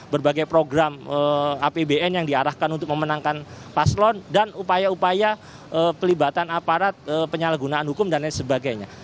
berbagai program apbn yang diarahkan untuk memenangkan paslon dan upaya upaya pelibatan aparat penyalahgunaan hukum dan lain sebagainya